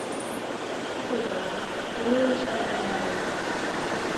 Ach egal, dann nehme ich halt einen neuen.